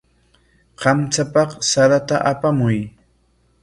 Kamchapaq sarata apamuy.